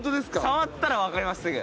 触ったらわかりますすぐ。